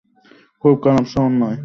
খুব খারাপ শহর নয়।